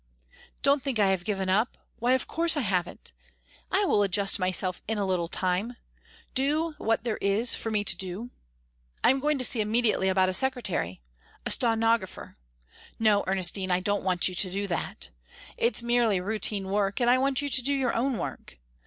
"Don't think I have given up why of course I haven't. I will adjust myself in a little time do what there is for me to do. I am going to see immediately about a secretary, a stenographer no, Ernestine, I don't want you to do that. It's merely routine work, and I want you to do your own work.